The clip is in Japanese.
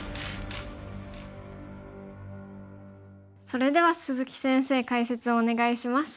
それでは鈴木先生解説をお願いします。